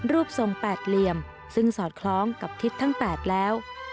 รูปทรงแปดเหลี่ยมซึ่งสอดคล้องกับทิศทั้ง๘แล้ว